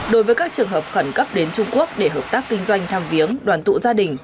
đối với các trường hợp khẩn cấp đến trung quốc để hợp tác kinh doanh tham viếng đoàn tụ gia đình